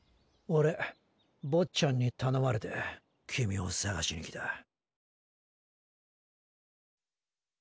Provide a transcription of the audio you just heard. オレ坊っちゃんに頼まれて君を捜しに来た。